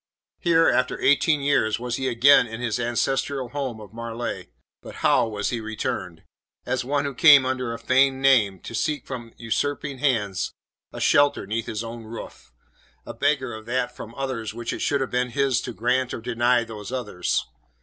Here, after eighteen years, was he again in his ancestral home of Marleigh. But how was he returned? As one who came under a feigned name, to seek from usurping hands a shelter 'neath his own roof; a beggar of that from others which it should have been his to grant or to deny those others.